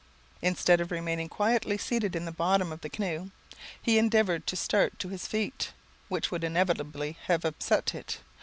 Instead of remaining quietly seated in the bottom of the canoe, he endeavoured to start to his feet, which would inevitably have upset it.